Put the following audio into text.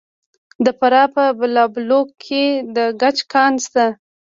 د فراه په بالابلوک کې د ګچ کان شته.